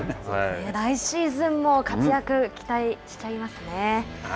来シーズンも活躍期待しちゃいますね。